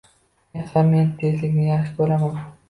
— Men… ha, men tezlikni yaxshi ko‘raman